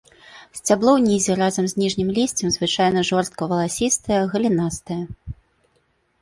Сцябло ўнізе разам з ніжнім лісцем звычайна жорстка-валасістае, галінастае.